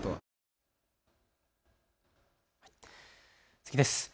次です。